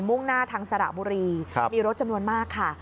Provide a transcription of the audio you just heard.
่งหน้าทางสระบุรีมีรถจำนวนมากค่ะ